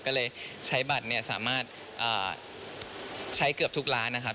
ก็เลยใช้บัตรสามารถใช้เกือบทุกร้านนะครับ